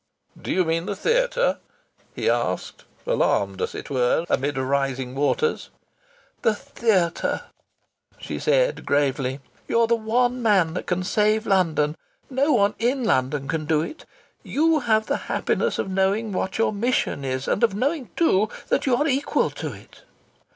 "D'ye mean the theatre?" he asked, alarmed as it were amid rising waters. "The theatre," said she, gravely. "You're the one man that can save London. No one in London can do it!... You have the happiness of knowing what your mission is, and of knowing, too, that you are equal to it.